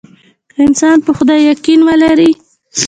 که انسان په خدای يقين ولري.